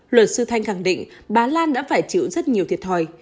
luật sư thanh khẳng định bà lan đã phải chịu rất nhiều thiệt thòi